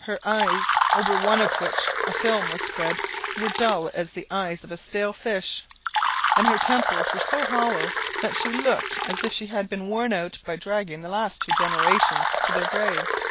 Her eyes, over one of which a film was spread, were dull as the eyes of a stale fish, and her temples so hollow, that she looked as if she had been worn out by dragging the last two generations to their graves.